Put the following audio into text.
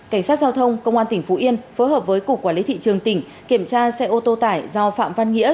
cảnh sát giao thông công an tỉnh phú yên phối hợp với cục quản lý thị trường tỉnh kiểm tra xe ô tô tải do phạm văn nghĩa